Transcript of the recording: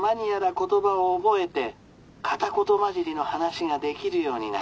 言葉を覚えて片言交じりの話ができるようになる。